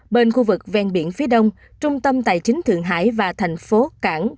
bên khu vực ven biển phía đông trung tâm tài chính thượng hải và thành phố cảng